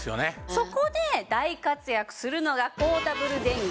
そこで大活躍するのがポータブル電源。